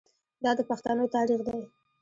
دا د پښتنو تاریخ دی.